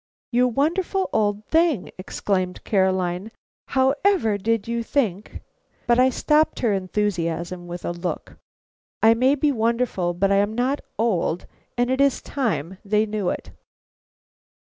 "You wonderful old thing!" exclaimed Caroline. "How ever did you think " But I stopped her enthusiasm with a look. I may be wonderful, but I am not old, and it is time they knew it.